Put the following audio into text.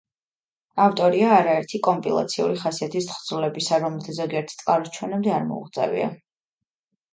ავტორია არაერთი კომპილაციური ხასიათის თხზულებისა, რომელთა ზოგიერთ წყაროს ჩვენამდე არ მოუღწევია.